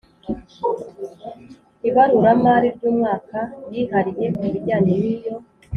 ibaruramari ry umwaka yihariye ku bijyanye n iyo